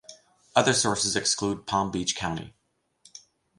Other sources exclude Palm Beach County.